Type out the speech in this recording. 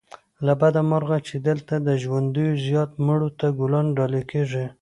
له بده مرغه چې دلته له ژوندیو زيات مړو ته ګلان ډالې کېږي